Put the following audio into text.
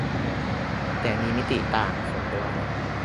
แต่ก็มีมิติต่าง ส่วนตัว